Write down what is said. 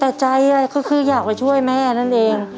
แต่ใจอะไรก็คืออยากไปช่วยแม่นั่นเอง